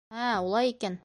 — Ә, улай икән.